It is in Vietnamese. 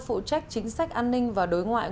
phụ trách chính sách an ninh và đối ngoại